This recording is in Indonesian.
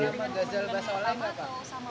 jadi nggak biasa soal apa pak